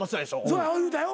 そうやよ言うたよ。